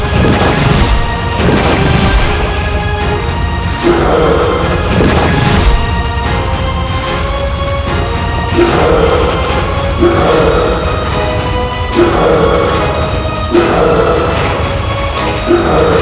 kau ingin aku